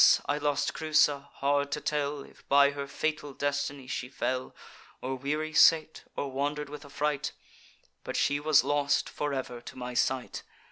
I lost Creusa: hard to tell If by her fatal destiny she fell, Or weary sate, or wander'd with affright; But she was lost for ever to my sight.